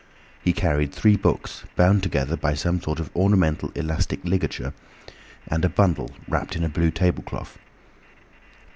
He carried three books bound together by some sort of ornamental elastic ligature, and a bundle wrapped in a blue table cloth.